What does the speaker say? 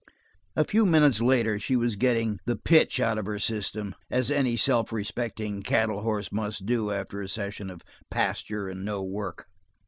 A few minutes later she was getting the "pitch" out of her system, as any self respecting cattle horse must do after a session of pasture and no work.